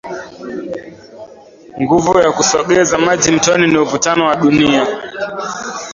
Nguvu ya kusogeza maji mtoni ni uvutano wa dunia